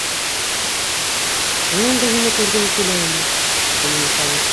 Уның да һине күргеһе килә ине, — тине Михаил.